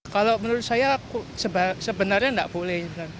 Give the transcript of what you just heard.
kalau menurut saya sebenarnya nggak boleh